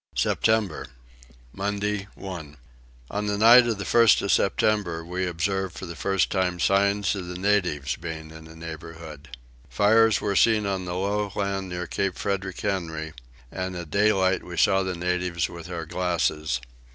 September. Monday 1. On the night of the 1st of September we observed for the first time signs of the natives being in the neighbourhood. Fires were seen on the low land near Cape Frederick Henry, and at daylight we saw the natives with our glasses.